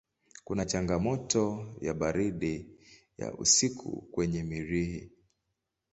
Kuna changamoto ya baridi ya usiku kwenye Mirihi.